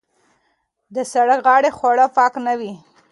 د سرک غاړې خواړه پاک نه وي.